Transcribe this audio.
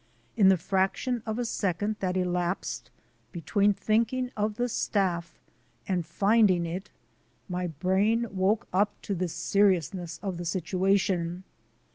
In the fraction of a second that elapsed between thinking of the staff and finding it my brain woke up to the seri ousness of the situation.